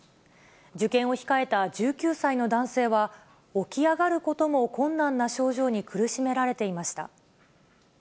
受験を控えた１９歳の男性は、起き上がることも困難な症状に苦しめられていました。